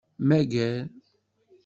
Mager.